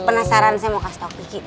penasaran saya mau kasih tau kiki